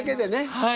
はい。